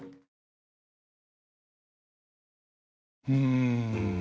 うん。